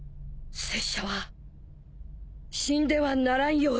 拙者は死んではならんようだ。